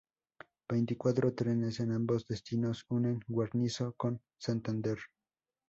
Veinticuatro trenes en ambos destinos unen Guarnizo con Santander.